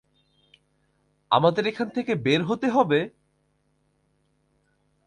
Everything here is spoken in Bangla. আমাদের এখান থেকে বের হতে হবে!